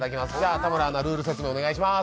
田村アナ、ルール説明をお願いします。